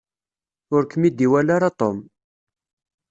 Ur kem-id-iwala ara Tom.